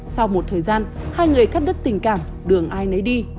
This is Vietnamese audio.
sau một thời gian hai người cắt đứt tình cảm đường ai nấy đi